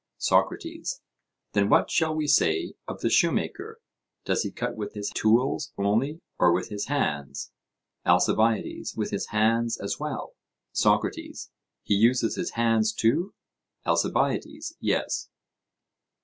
SOCRATES: Then what shall we say of the shoemaker? Does he cut with his tools only or with his hands? ALCIBIADES: With his hands as well. SOCRATES: He uses his hands too? ALCIBIADES: Yes.